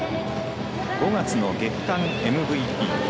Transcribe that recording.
５月の月間ＭＶＰ。